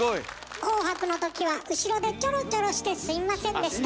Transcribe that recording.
「紅白」の時は後ろでチョロチョロしてすいませんでした。